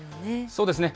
そうですね。